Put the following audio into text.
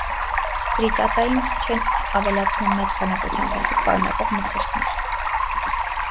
Ֆրիտատային չեն ավելացնում մեծ քանակությամբ հեղուկ պարունակող մթերքներ։